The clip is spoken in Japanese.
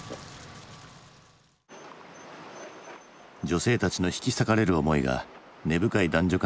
女性たちの引き裂かれる思いが根深い男女